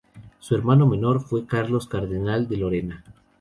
Su hermano menor fue Carlos, cardenal de Lorena.